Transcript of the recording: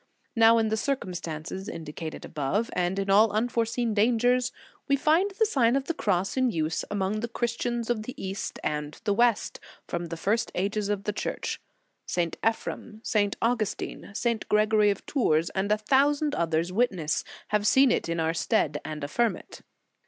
Now, in the circumstance indicated above, and in all unforeseen dangers, we find the Sign of the Cross in use among the Christians of the East and the West, from the first ages of the Church. St. Ephrem, St. Augustin, St. Gregory of Tours, and a thousand other wit nesses, have seen it in our stead, and affirm it.